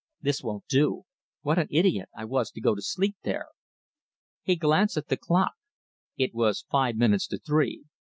"This won't do! What an idiot I was to go to sleep there!" He glanced at the clock. It was five minutes to three.